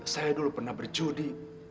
saya dulu pernah berjudi